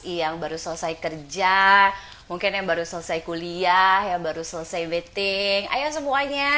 yang baru selesai kerja mungkin yang baru selesai kuliah yang baru selesai meeting ayo semuanya